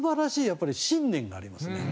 やっぱり信念がありますよね。